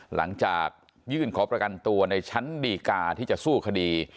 หลังจากยื่นขอประกันตัวในชั้นดีกาที่จะสู้คดี